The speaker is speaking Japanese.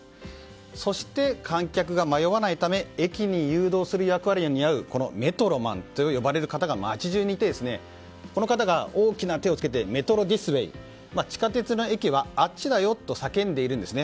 そして、観客が迷わないため駅に誘導する役割を担うメトロマンと呼ばれる方が街中にいてこの方が多くな手を付けてメトロディスウェイ地下鉄の駅はあっちだと叫んでいるんですね。